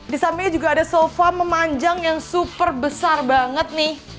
di sampingnya juga ada sofa memanjang yang super besar banget nih